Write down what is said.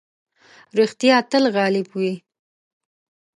رښتيا تل غالب وي.